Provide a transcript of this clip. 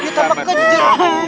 kita pake kejar